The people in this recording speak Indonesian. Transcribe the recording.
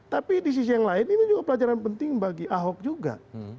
tapi di sisi yang lain ini juga pelajaran penting bagi ahok juga